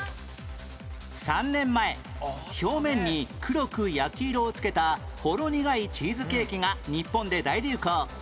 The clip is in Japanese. ３年前表面に黒く焼き色をつけたほろ苦いチーズケーキが日本で大流行